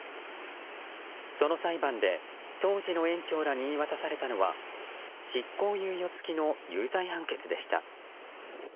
その裁判で、当時の園長らに言い渡されたのは執行猶予付きの有罪判決でした。